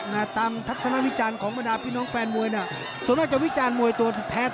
นะตามทัศนวิจารณ์ของบรรดาพี่น้องแฟนมวยน่ะส่วนมากจะวิจารณ์มวยตัวแท้